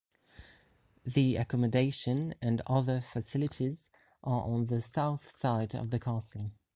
The accommodation and other facilities are on the south side of the castle.